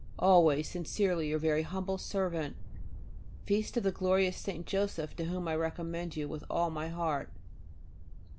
Always sincerely your very humble servant. Feast of the glorious Saint Joseph, to whom I recommend you with all my heart.